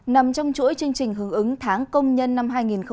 nằm trong chuỗi chương trình hướng ứng tháng công nhân năm hai nghìn hai mươi